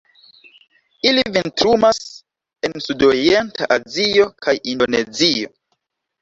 Ili vintrumas en sudorienta Azio kaj Indonezio.